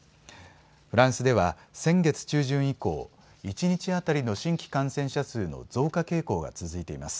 フランスでは先月中旬以降、一日当たりの新規感染者数の増加傾向が続いています。